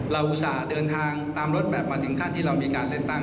อุตส่าห์เดินทางตามรถแบบมาถึงขั้นที่เรามีการเลือกตั้ง